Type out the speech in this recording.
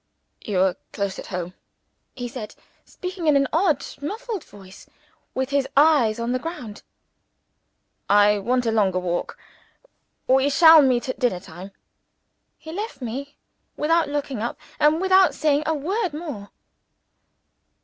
"You are close at home," he said, speaking in an odd muffled voice, with his eyes on the ground. "I want a longer walk. We shall meet at dinner time." He left me without looking up, and without saying a word more.